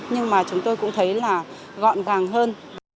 nhưng mà chúng tôi cũng thấy là gọn gàng hơn